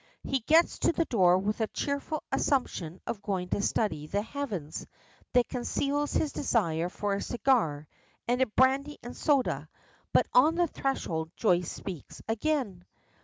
He gets to the door with a cheerful assumption of going to study the heavens that conceals his desire for a cigar and a brandy and soda, but on the threshold Joyce speaks again.